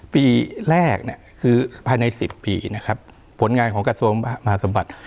ปีแรกเนี่ยคือภายใน๑๐ปีนะครับผลงานของกระทรวงมหาสมบัติ